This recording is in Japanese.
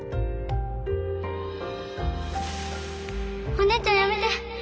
お姉ちゃんやめて！